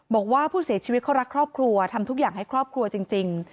บอกว่าผู้เสียชีวิตเขารักครอบครัวทำทุกอย่างให้ครอบครัวจริง